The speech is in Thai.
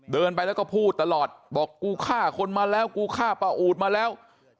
เดินไปแล้วก็พูดตลอดบอกกูฆ่าคนมาแล้วกูฆ่าป้าอูดมาแล้ว